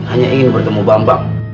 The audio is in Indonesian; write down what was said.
hanya ingin bertemu bambang